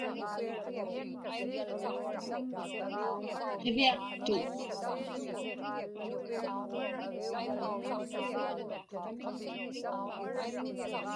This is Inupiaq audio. Qiviaqtuk.